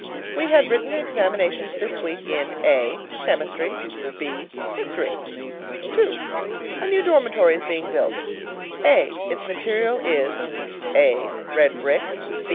We had written examinations this week in: A. Chemistry. B. History. II. A new dormitory is being built. A. Its material is: (a) red brick.